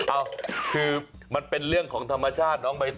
เอ้าคือมันเป็นเรื่องของธรรมชาติน้องใบต